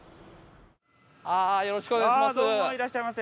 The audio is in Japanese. あよろしくお願いします